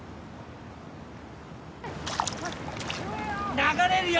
流れるよ！